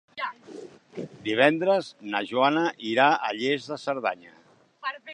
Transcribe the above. Divendres na Joana irà a Lles de Cerdanya.